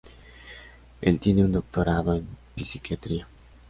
Él tiene un doctorado en psiquiatría.